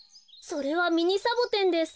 それはミニサボテンです。